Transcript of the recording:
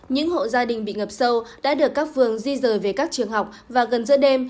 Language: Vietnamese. những hộ gia đình bị ngập sâu đã được các phường di rời về các trường học và gần giữa đêm